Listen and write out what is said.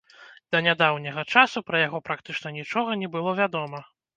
Да нядаўняга часу пра яго практычна нічога не было вядома.